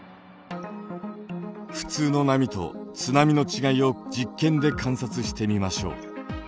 普通の波と津波の違いを実験で観察してみましょう。